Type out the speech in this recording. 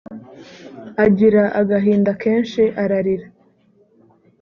agira agahinda kenshi ararira